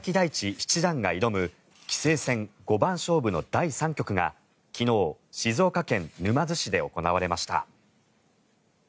七段が挑む棋聖戦五番勝負の第３局が昨日、静岡県沼津市で行われました。